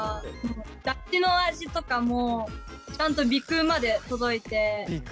だしの味とかもちゃんと鼻くうまで届いて。